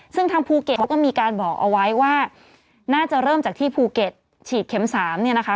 ซึ่งทางภูเก็ตเขาก็มีการบอกเอาไว้ว่าน่าจะเริ่มจากที่ภูเก็ตฉีดเข็มสามเนี่ยนะคะ